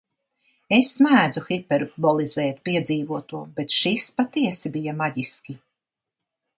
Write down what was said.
Es mēdzu hiperbolizēt piedzīvoto, bet šis patiesi bija maģiski.